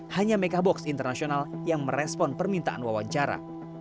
hanya mekabox internasional yang merespon permintaan wawancara